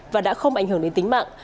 và đã không ảnh hưởng đến tính mạng